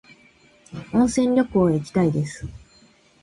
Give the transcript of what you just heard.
温泉旅行へ行きたいです。